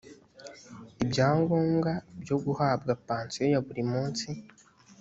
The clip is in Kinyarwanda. ibyangombwa byo guhabwa pansiyo ya buri munsi